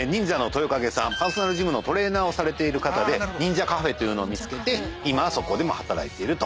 パーソナルジムのトレーナーをされている方で忍者カフェというのを見つけて今はそこでも働いていると。